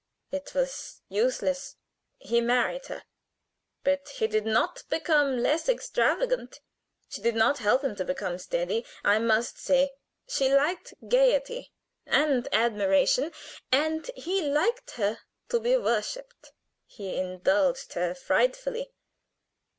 It was useless. He married her, but he did not become less extravagant. She did not help him to become steady, I must say. She liked gayety and admiration, and he liked her to be worshiped. He indulged her frightfully.